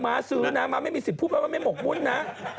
้าซื้อนะม้าไม่มีสิทธิ์พูดไปว่าไม่หกมุ่นนะ